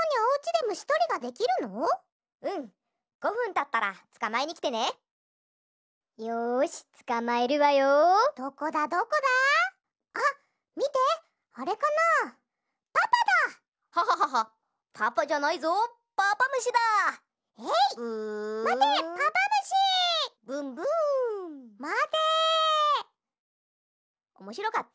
おもしろかった？